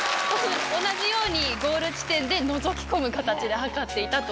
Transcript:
同じようにゴール地点でのぞき込む形で計っていたと。